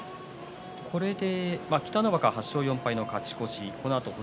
これで北の若８勝４敗勝ち越し。